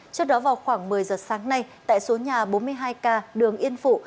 trước đó vào khoảng một mươi giờ sáng nay tại số nhà bốn mươi hai k đường yên phụ